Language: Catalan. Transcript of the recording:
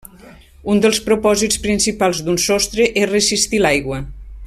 Un dels propòsits principals d’un sostre és resistir l’aigua.